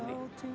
terima kasih ya